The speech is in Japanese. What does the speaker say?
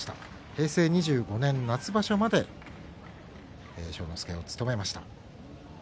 平成２５年夏場所まで庄之助を務めました。